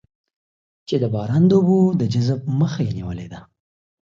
چې د باران د اوبو د جذب مخه یې نېولې ده.